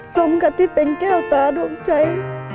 สมกับที่เป็นแก้วตาดวงใจ